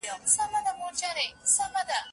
شاګرد د موضوع په اړه نظریي څنګه راټولوي؟